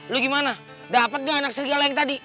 lo gimana dapet gak anak serigala yang tadi